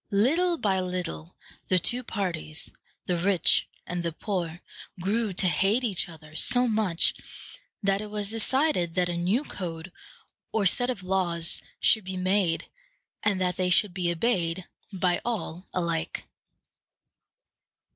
Little by little the two parties, the rich and the poor, grew to hate each other so much that it was decided that a new code or set of laws should be made, and that they should be obeyed by all alike.